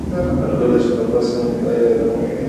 هر کله چي خپه شم خدای يادوم